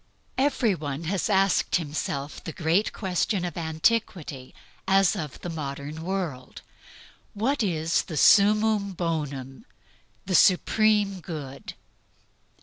Every one has asked himself the great question of antiquity as of the modern world: What is the summum bonum the supreme good?